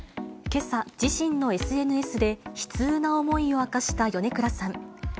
けさ、自身のＳＮＳで悲痛な思いを明かした米倉さん。